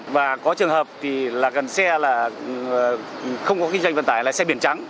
và có trường hợp thì là gần xe là không có kinh doanh vận tải là xe biển trắng